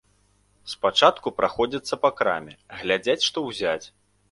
Спачатку праходзяцца па краме, глядзяць, што ўзяць.